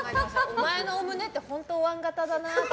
お前のお胸って本当おわん型だなって。